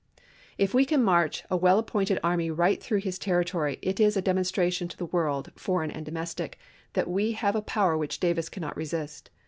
"If we can march a well appointed army right through his territory it is a demonstration to the world, foreign and domestic, that we have a power which Davis cannot resist.